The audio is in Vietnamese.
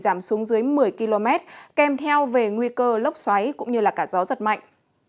giảm xuống dưới một mươi km kèm theo về nguy cơ lốc xoáy cũng như cả gió giật mạnh